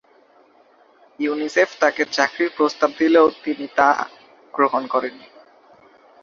UNICEF তাকে চাকুরীর প্রস্তাব দিলেও, তিনি তা গ্রহণ করেননি।